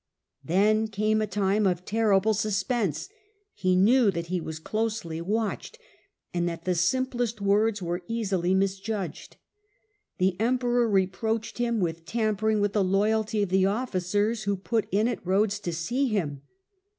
Then came a time of terrible suspense. He knew that he was closely watched, and that the simplest words were easily misjudged. The Emperor reproached him with tampering with the loyalty of the officers who put in . at Rhodes to see him.